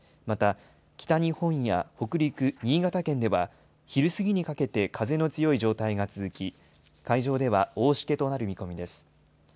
また北日本や北陸、新潟県では、昼過ぎにかけて風の強い状態が続き、海上では大しけとなる見込みです。